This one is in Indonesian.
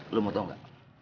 lu mau tau ga